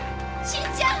信ちゃん！